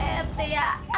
eh teh ya